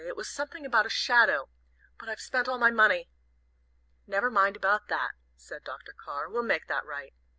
It was something about a Shadow. But I've spent all my money." "Never mind about that," said Dr. Carr. "We'll make that right.